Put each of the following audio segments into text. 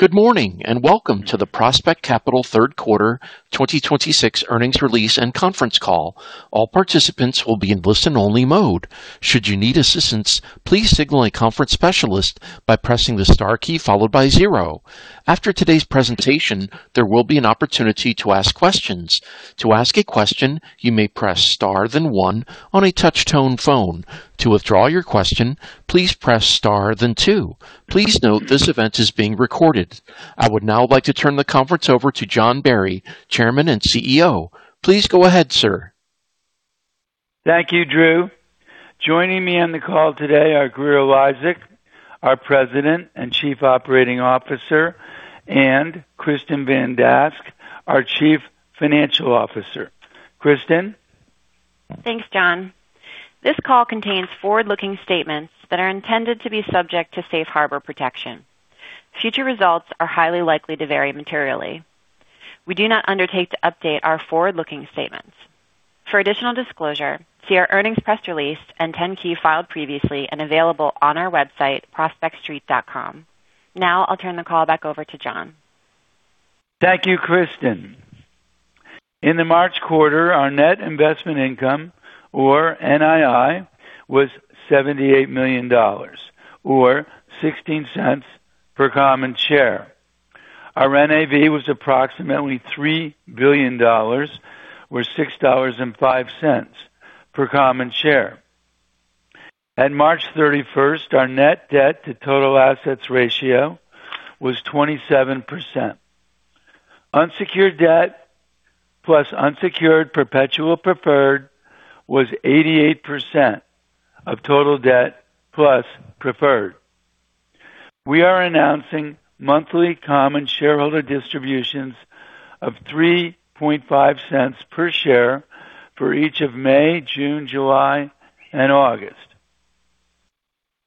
Good morning, and welcome to the Prospect Capital third quarter 2026 earnings release and conference call. All participants will be in listen-only mode. Should you need assistance, please signal a conference specialist by pressing the star key followed by zero. After today's presentation, there will be an opportunity to ask questions. To ask a question, you may press star then one on a touch-tone phone. To withdraw your question, please press star then two. Please note this event is being recorded. I would now like to turn the conference over to John Barry, Chairman and CEO. Please go ahead, sir. Thank you, Drew. Joining me on the call today are Grier Eliasek, our President and Chief Operating Officer, and Kristin Van Dask, our Chief Financial Officer. Kristin. Thanks, John. This call contains forward-looking statements that are intended to be subject to Safe Harbor protection. Future results are highly likely to vary materially. We do not undertake to update our forward-looking statements. For additional disclosure, see our earnings press release and 10-K filed previously and available on our website prospectstreet.com. Now I'll turn the call back over to John. Thank you, Kristin. In the March quarter, our net investment income, or NII, was $78 million or $0.16 per common share. Our NAV was approximately $3 billion or $6.05 per common share. At March 31st, our net debt to total assets ratio was 27%. Unsecured debt plus unsecured perpetual preferred was 88% of total debt plus preferred. We are announcing monthly common shareholder distributions of $0.035 per share for each of May, June, July, and August.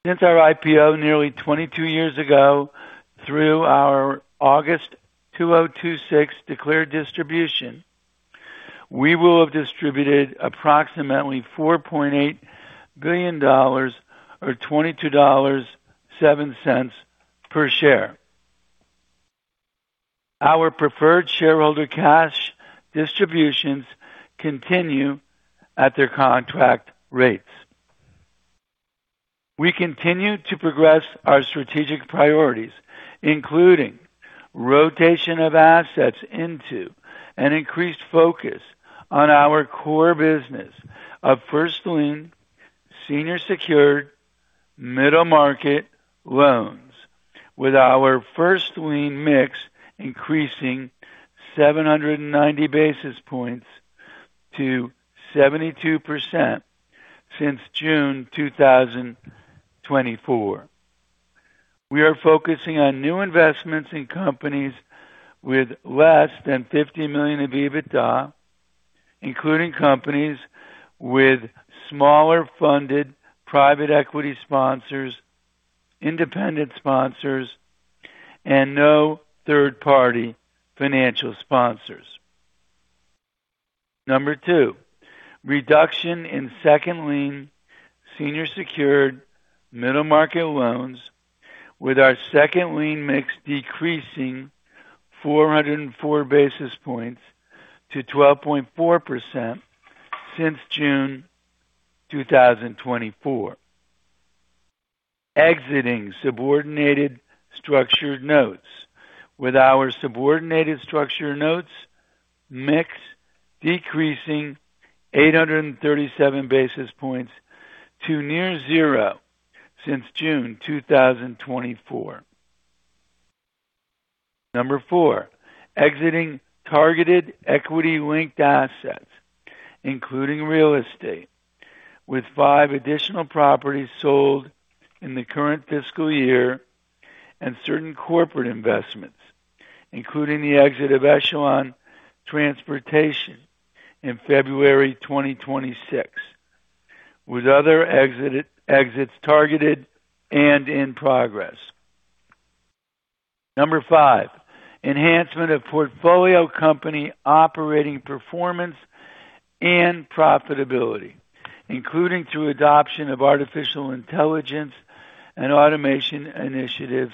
Since our IPO nearly 22 years ago through our August 2026 declared distribution, we will have distributed approximately $4.8 billion or $22.07 per share. Our preferred shareholder cash distributions continue at their contract rates. We continue to progress our strategic priorities, including rotation of assets into an increased focus on our core business of first lien, senior secured, middle market loans, with our first lien mix increasing 790 basis points to 72% since June 2024. We are focusing on new investments in companies with less than $50 million of EBITDA, including companies with smaller funded private equity sponsors, independent sponsors, and no third-party financial sponsors. Number two, reduction in second lien, senior secured, middle market loans with our second lien mix decreasing 404 basis points to 12.4% since June 2024. Exiting subordinated structured notes with our subordinated structured notes mix decreasing 837 basis points to near zero since June 2024. Number four, exiting targeted equity-linked assets, including real estate, with five additional properties sold in the current fiscal year and certain corporate investments, including the exit of Echelon Transportation in February 2026, with other exits targeted and in progress. Number five, enhancement of portfolio company operating performance and profitability, including through adoption of artificial intelligence and automation initiatives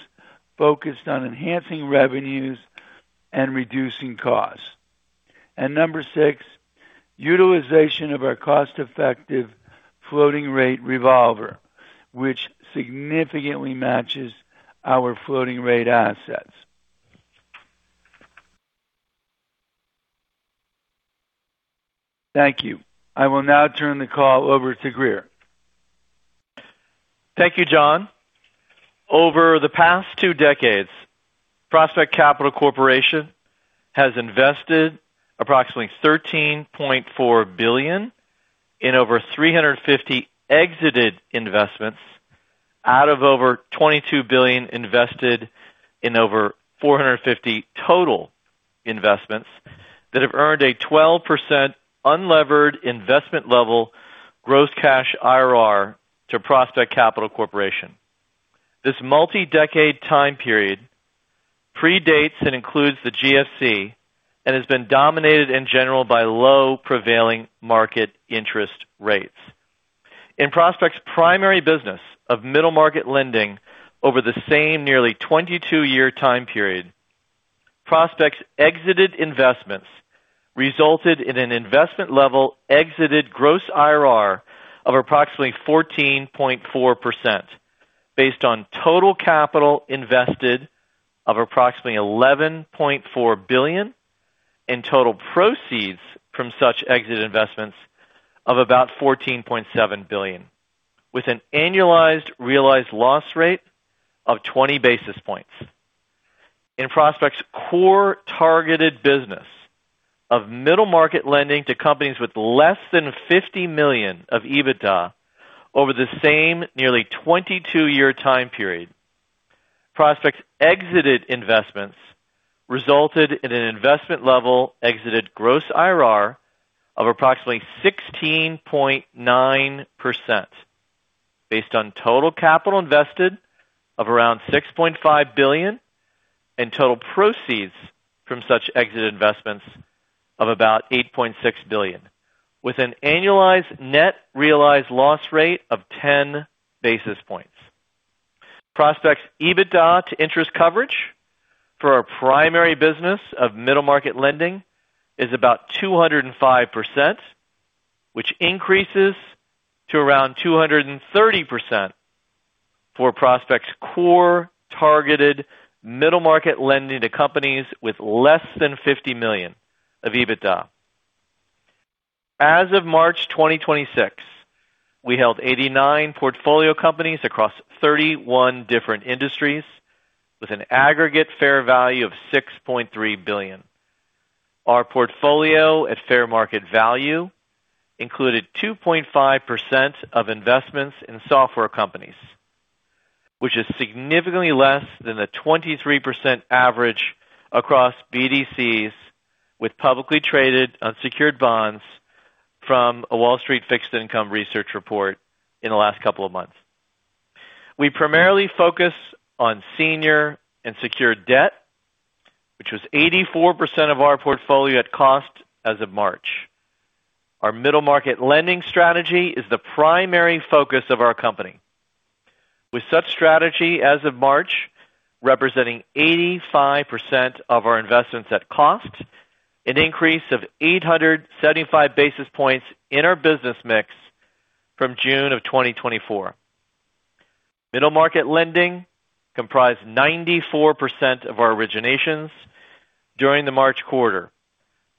focused on enhancing revenues and reducing costs. Number six, utilization of our cost-effective floating rate revolver, which significantly matches our floating rate assets. Thank you. I will now turn the call over to Grier. Thank you, John. Over the past two decades, Prospect Capital Corporation has invested approximately $13.4 billion in over 350 exited investments out of over $22 billion invested in over 450 total investments that have earned a 12% unlevered investment level gross cash IRR to Prospect Capital Corporation. This multi-decade time period predates and includes the GFC and has been dominated in general by low prevailing market interest rates. In Prospect's primary business of middle-market lending over the same nearly 22-year time period. Prospect's exited investments resulted in an investment-level exited gross IRR of approximately 14.4% based on total capital invested of approximately $11.4 billion and total proceeds from such exit investments of about $14.7 billion, with an annualized realized loss rate of 20 basis points. In Prospect's core targeted business of middle-market lending to companies with less than $50 million of EBITDA over the same nearly 22-year time period. Prospect's exited investments resulted in an investment-level exited gross IRR of approximately 16.9% based on total capital invested of around $6.5 billion and total proceeds from such exit investments of about $8.6 billion, with an annualized net realized loss rate of 10 basis points. Prospect's EBITDA to interest coverage for our primary business of middle-market lending is about 205%, which increases to around 230% for Prospect's core targeted middle-market lending to companies with less than $50 million of EBITDA. As of March 2026, we held 89 portfolio companies across 31 different industries with an aggregate fair value of $6.3 billion. Our portfolio at fair market value included 2.5% of investments in software companies, which is significantly less than the 23% average across BDCs with publicly traded unsecured bonds from a Wall Street fixed income research report in the last couple of months. We primarily focus on senior and secured debt, which was 84% of our portfolio at cost as of March. Our middle-market lending strategy is the primary focus of our company, with such strategy as of March representing 85% of our investments at cost, an increase of 875 basis points in our business mix from June of 2024. Middle market lending comprised 94% of our originations during the March quarter,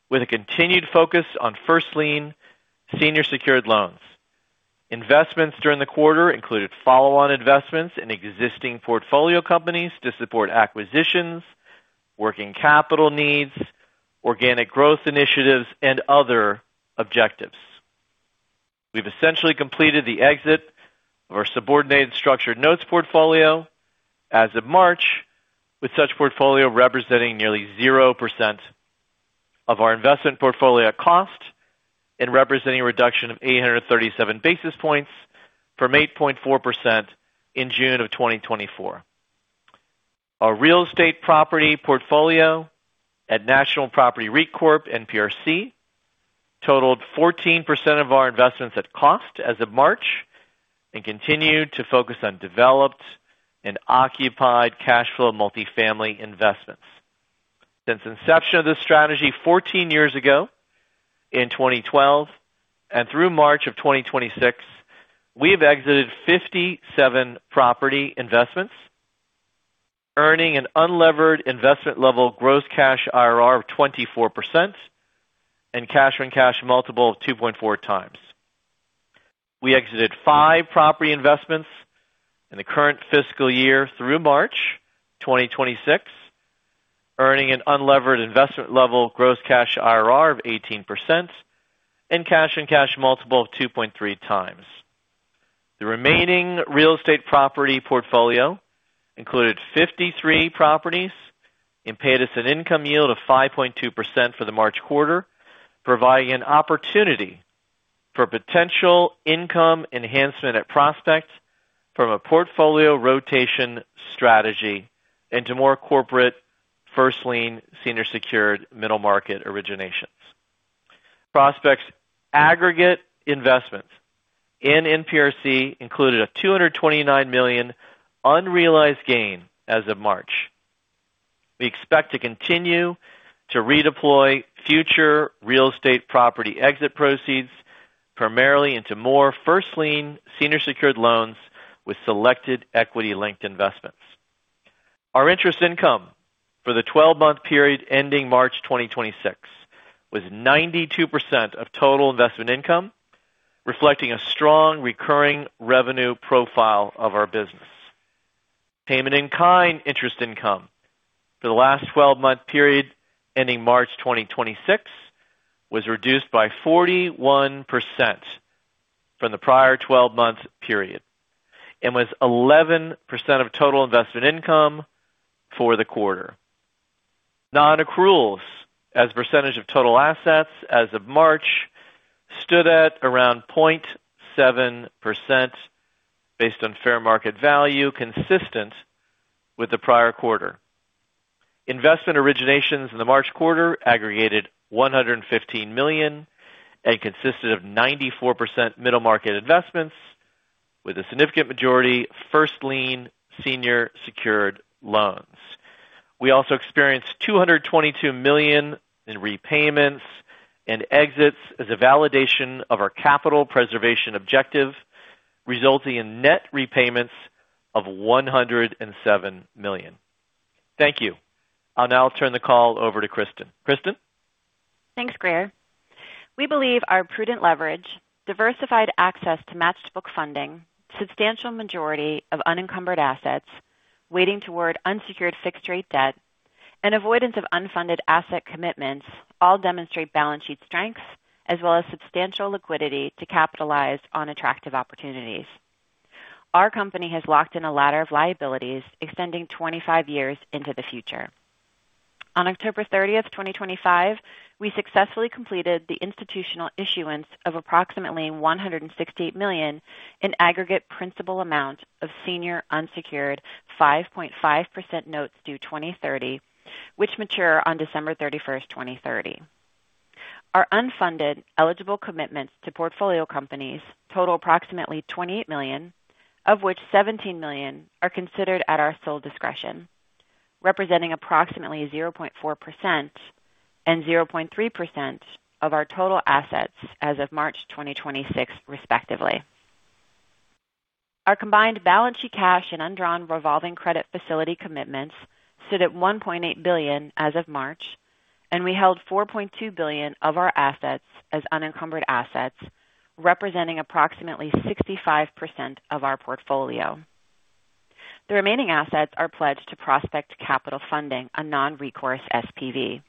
with a continued focus on first lien senior secured loans. Investments during the quarter included follow-on investments in existing portfolio companies to support acquisitions, working capital needs, organic growth initiatives and other objectives. We've essentially completed the exit of our subordinated structured notes portfolio as of March, with such portfolio representing nearly 0% of our investment portfolio at cost and representing a reduction of 837 basis points from 8.4% in June of 2024. Our real estate property portfolio at National Property REIT Corp., NPRC, totaled 14% of our investments at cost as of March and continued to focus on developed and occupied cash flow multifamily investments. Since inception of this strategy 14 years ago in 2012 and through March of 2026, we have exited 57 property investments, earning an unlevered investment-level gross cash IRR of 24% and cash-on-cash multiple of 2.4x. We exited five property investments in the current fiscal year through March 2026, earning an unlevered investment-level gross cash IRR of 18% and cash-on-cash multiple of 2.3x. The remaining real estate property portfolio included 53 properties and paid us an income yield of 5.2% for the March quarter, providing an opportunity for potential income enhancement at Prospect from a portfolio rotation strategy into more corporate first lien senior secured middle market originations. Prospect's aggregate investments in NPRC included a $229 million unrealized gain as of March. We expect to continue to redeploy future real estate property exit proceeds primarily into more first lien senior secured loans with selected equity-linked investments. Our interest income for the 12-month period ending March 2026 was 92% of total investment income, reflecting a strong recurring revenue profile of our business. Payment-in-kind interest income for the last 12-month period ending March 2026 was reduced by 41% from the prior 12-month period and was 11% of total investment income for the quarter. Non-accruals as a percentage of total assets as of March stood at around 0.7% based on fair market value consistent with the prior quarter. Investment originations in the March quarter aggregated $115 million and consisted of 94% middle market investments with a significant majority first lien senior secured loans. We also experienced $222 million in repayments and exits as a validation of our capital preservation objective, resulting in net repayments of $107 million. Thank you. I'll now turn the call over to Kristin. Kristin? Thanks, Grier. We believe our prudent leverage, diversified access to matched book funding, substantial majority of unencumbered assets weighting toward unsecured fixed-rate debt, and avoidance of unfunded asset commitments all demonstrate balance sheet strengths as well as substantial liquidity to capitalize on attractive opportunities. Our company has locked in a ladder of liabilities extending 25 years into the future. On October 30th, 2025, we successfully completed the institutional issuance of approximately $168 million in aggregate principal amount of senior unsecured 5.5% notes due 2030, which mature on December 31st, 2030. Our unfunded eligible commitments to portfolio companies total approximately $20 million, of which $17 million are considered at our sole discretion, representing approximately 0.4% and 0.3% of our total assets as of March 26th, 2026, respectively. Our combined balance sheet cash and undrawn revolving credit facility commitments stood at $1.8 billion as of March, and we held $4.2 billion of our assets as unencumbered assets, representing approximately 65% of our portfolio. The remaining assets are pledged to Prospect Capital Funding, a non-recourse SPV.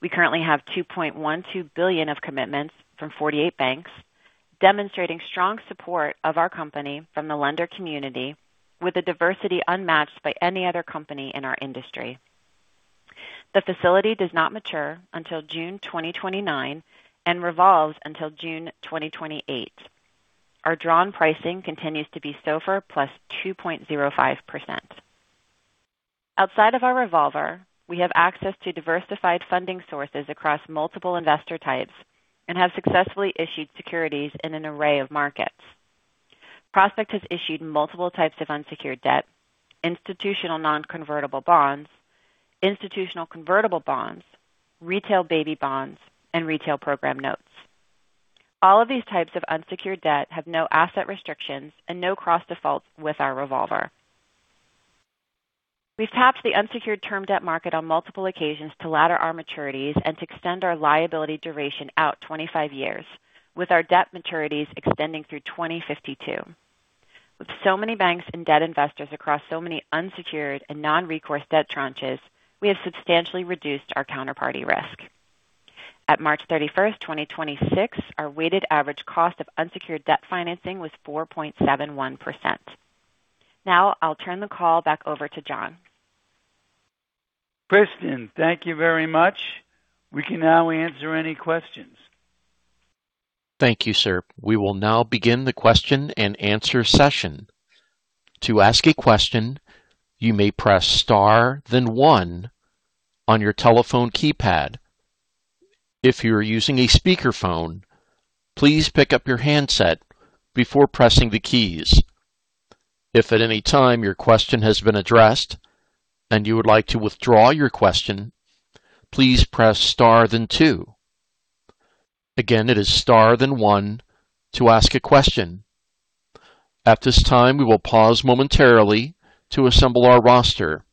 We currently have $2.12 billion of commitments from 48 banks, demonstrating strong support of our company from the lender community with a diversity unmatched by any other company in our industry. The facility does not mature until June 2029 and revolves until June 2028. Our drawn pricing continues to be SOFR plus 2.05%. Outside of our revolver, we have access to diversified funding sources across multiple investor types and have successfully issued securities in an array of markets. Prospect has issued multiple types of unsecured debt, institutional non-convertible bonds, institutional convertible bonds, retail baby bonds, and retail program notes. All of these types of unsecured debt have no asset restrictions and no cross defaults with our revolver. We've tapped the unsecured term debt market on multiple occasions to ladder our maturities and to extend our liability duration out 25 years with our debt maturities extending through 2052. With so many banks and debt investors across so many unsecured and non-recourse debt tranches, we have substantially reduced our counterparty risk. At March 31st, 2026, our weighted average cost of unsecured debt financing was 4.71%. I'll turn the call back over to John. Kristin, thank you very much. We can now answer any questions. Thank you, sir. We will now begin the question-and-answer session. To ask a question, you may press star then one on your telephone keypad. If you're using a speakerphone, please pick up your handset before pressing the keys. If at any time your question has been addressed and you would like to withdraw your question, please press star then two. Again, it is star then one to ask a question. At this time, we will pause momentarily to assemble our roster.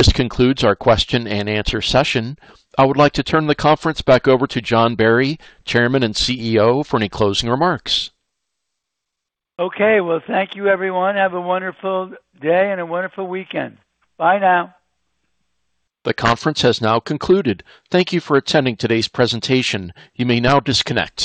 This concludes our question-and-answer session. I would like to turn the conference back over to John Barry, Chairman and CEO, for any closing remarks. Okay. Well, thank you, everyone. Have a wonderful day and a wonderful weekend. Bye now. The conference has now concluded. Thank you for attending today's presentation. You may now disconnect.